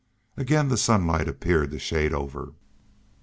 Again the sunlight appeared to shade over.